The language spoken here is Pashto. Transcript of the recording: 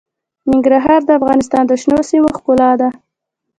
ننګرهار د افغانستان د شنو سیمو ښکلا ده.